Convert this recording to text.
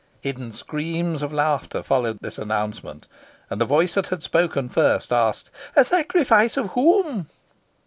Hideous screams of laughter followed this announcement, and the voice that had spoken first asked "A sacrifice of whom?"